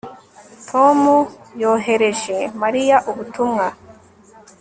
Tom yohereje Mariya ubutumwa